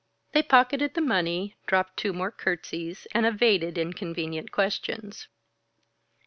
They pocketed the money, dropped two more curtsies, and evaded inconvenient questions.